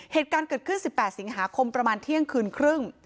เหตุการณ์เกิดขึ้น๑๘สิงหาคมประมาณเที่ยงคืนครึ่ง